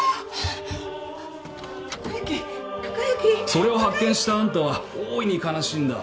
それを発見したあんたは大いに悲しんだ。